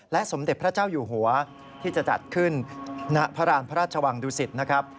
สมเด็จพระเจ้าอยู่หัวที่จะจัดขึ้นณพระราณพระราชวังดุสิตนะครับ